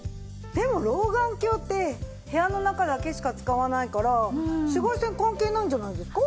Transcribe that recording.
でも老眼鏡って部屋の中だけしか使わないから紫外線関係ないんじゃないですか？